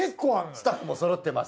スタッフもそろってます。